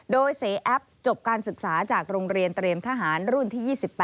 โดยเสแอปจบการศึกษาจากโรงเรียนเตรียมทหารรุ่นที่๒๘